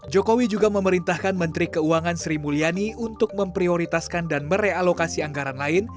jokowi juga memerintahkan menteri keuangan sri mulyani untuk memprioritaskan dan merealokasi anggaran lain